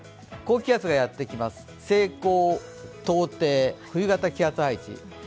高気圧がやってきます、西高東低冬型気圧配置。